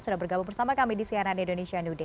sudah bergabung bersama kami di cnn indonesia new day